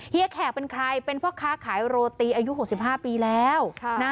เฮีแขกเป็นใครเป็นพ่อค้าขายโรตีอายุ๖๕ปีแล้วนะ